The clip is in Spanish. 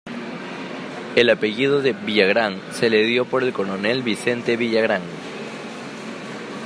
El apellido "de Villagrán" se le dio por el coronel Vicente Villagrán.